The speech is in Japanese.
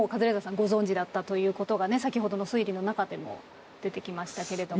ご存じだったということがね先ほどの推理の中でも出てきましたけれども。